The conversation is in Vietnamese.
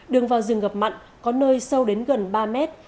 đường vào rừng ngập mặn có nơi sâu đến gần ba mét